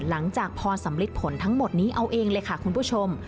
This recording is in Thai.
หลังจากพอสำลิดผลทั้งหมดนี้เอาเองเลยค่ะคุณผู้ชม